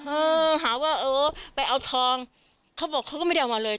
เออหาว่าเออไปเอาทองเขาบอกเขาก็ไม่ได้เอามาเลย